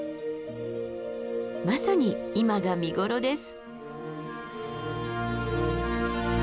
まさに今が見頃です。